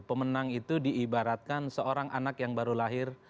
pemenang itu diibaratkan seorang anak yang baru lahir